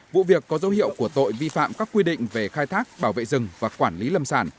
vụ việc có dấu hiệu của tội vi phạm các quy định về khai thác bảo vệ rừng và quản lý lâm sản